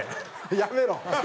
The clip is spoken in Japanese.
やめろ！